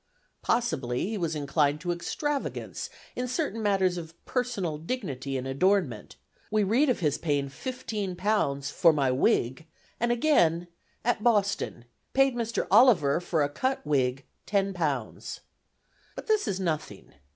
Possibly he was inclined to extravagance in certain matters of personal dignity and adornment: we read of his paying fifteen pounds "for my wig"; and again, "At Boston. Paid Mr. Oliver for a cut whigg £10.00." But this is nothing.